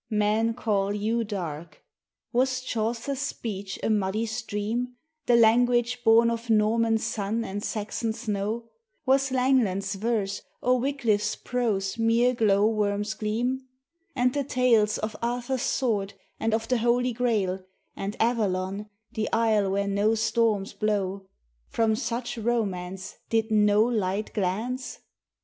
Men call you "dark." Was Chaucer's speech a muddy stream, The language born of Norman sun and Saxon snow? Was Langland's verse or Wyclif's prose mere glow worm's gleam? And the tales Of Arthur's sword and of the holy Grail, And Avalon, the isle where no storms blow: From such romance did no light glance?